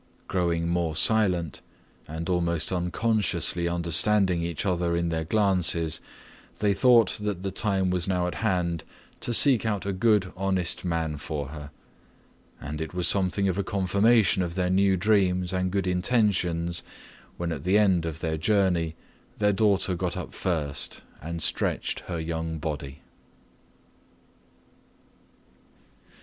Growing more silent and almost unconsciously understanding each other in their glances, they thought that the time was now at hand to seek out a good honest man for her. And it was something of a confirmation of their new dreams and good intentions when at the end of their journey their daughter got up first and stretched her young body.